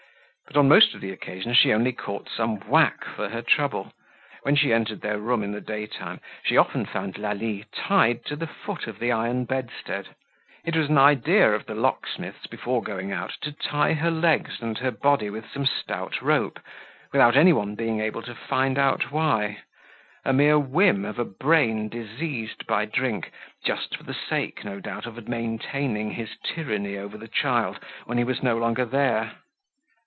But on most of the occasions she only caught some whack for her trouble. When she entered their room in the day time, she often found Lalie tied to the foot of the iron bedstead; it was an idea of the locksmith's, before going out, to tie her legs and her body with some stout rope, without anyone being able to find out why—a mere whim of a brain diseased by drink, just for the sake, no doubt, of maintaining his tyranny over the child when he was no longer there.